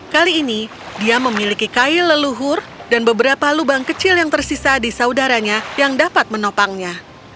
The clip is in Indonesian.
kali ini dia memiliki kail leluhur dan beberapa lubang kecil yang tersisa di saudaranya yang dapat menopangnya